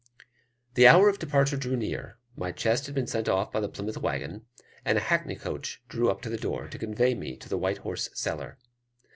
The hour of departure drew near; my chest had been sent off by the Plymouth waggon, and a hackney coach drew up to the door, to convey me to the White Horse Cellar.